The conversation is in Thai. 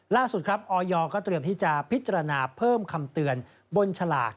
ล่าสุดครับออยก็เตรียมที่จะพิจารณาเพิ่มคำเตือนบนฉลาก